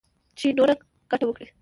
چـې نـوره ګـټـه وكړي.